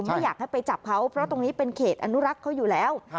ไม่อยากให้ไปจับเขาเพราะตรงนี้เป็นเขตอนุรักษ์เขาอยู่แล้ว